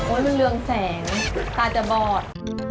มันเรืองแสงตาจะบอด